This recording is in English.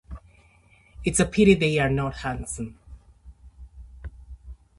It is a pity they are not handsome!